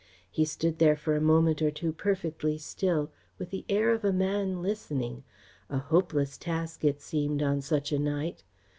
He stood there for a moment or two perfectly still, with the air of a man listening a hopeless task, it seemed, on such a night.